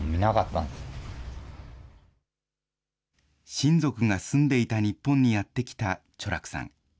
親族が住んでいた日本にやって来たチョラクさん。